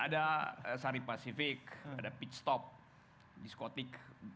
ada sari pacific ada pit stop diskotik